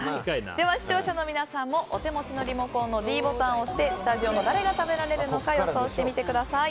視聴者の皆さんもお手持ちのリモコンのｄボタンを押してスタジオの誰が食べられるのか予想してみてください。